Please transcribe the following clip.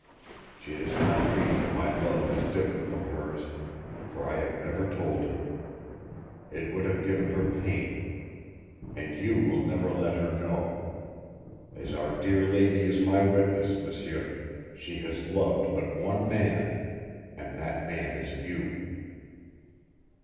She does not dream that my love is different from hers, for I have never told her. It would have given her pain. And you will never let her know. As Our Dear Lady is my witness, M'sieur, she has loved but one man, and that man is you."